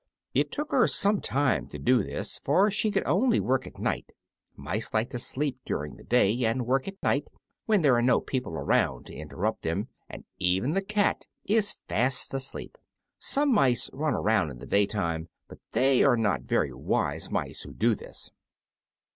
It took her some time to do this, for she could only work at night. Mice like to sleep during the day and work at night, when there are no people around to interrupt them, and even the cat is fast asleep. Some mice run about in the day time, but they are not very wise mice who do this.